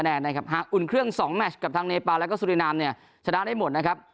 หากอุ่นเครื่อง๒แมชกับทางเนปาและก็สุรินามชนะได้หมดนะครับ